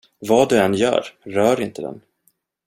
Vad du än gör, rör inte den.